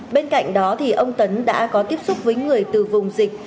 bên cạnh đó ông tấn đã có tiếp xúc với người từ vùng dịch